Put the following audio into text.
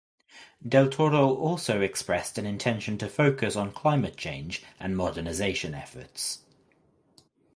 Del Toro also expressed an intention to focus on climate change and modernization efforts.